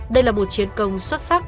đây là một chiến công xuất sắc